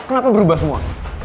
kenapa berubah semua